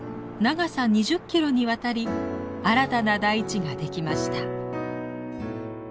長さ２０キロにわたり新たな大地ができました。